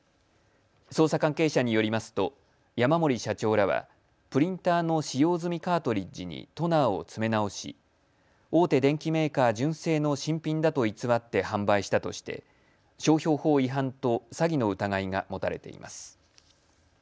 捜査関係者によりますと山森社長らはプリンターの使用済みカートリッジにトナーを詰め直し、大手電機メーカー純正の新品だと偽って販売したとして商標法違反と詐欺の疑いが持たれています。